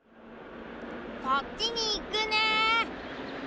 そっちにいくね。